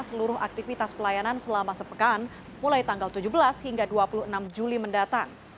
seluruh aktivitas pelayanan selama sepekan mulai tanggal tujuh belas hingga dua puluh enam juli mendatang